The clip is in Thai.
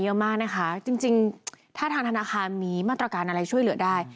เยอะมากนะคะจริงถ้าทางธนาคารมีมาตรการอะไรช่วยเหลือได้